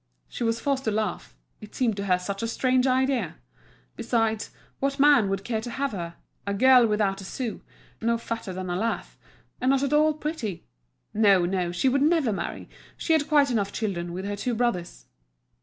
She was forced to laugh, it seemed to her such a strange idea. Besides, what man would care to have her—a girl without a sou, no fatter than a lath, and not at all pretty? No, no, she would never marry, she had quite enough children with her two brothers.